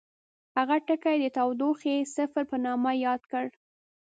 هغه ټکی یې د تودوخې صفر په نامه یاد کړ.